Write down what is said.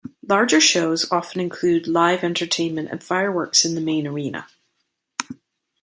Larger shows often include live entertainment and fireworks in the main arena.